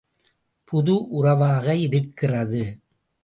புது உறவாக இருக்கிறது.